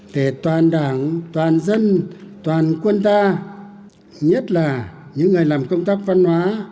để toàn đảng toàn dân toàn quân ta nhất là những người làm công tác văn hóa